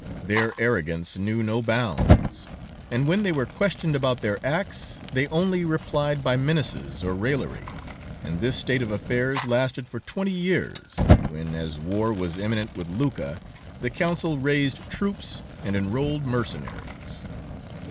"Their arrogance knew no bounds, and when they were questioned about their acts, they only replied by menaces or raillery, and this state of affairs lasted for twenty years, when, as war was imminent with Lucca, the Council raised troops and enrolled mercenaries.